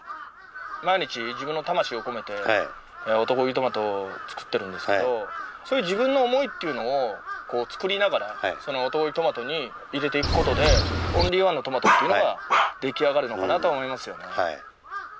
毎日自分の魂を込めて男気トマトを作ってるんですけどそういう自分の思いっていうのを作りながら男気トマトに入れていく事でオンリーワンのトマトというのは出来上がるのかなとは思いますよね。